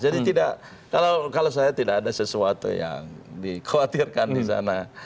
jadi kalau saya tidak ada sesuatu yang dikhawatirkan di sana